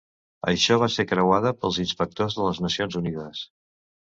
Això va ser creuada pels inspectors de les Nacions Unides.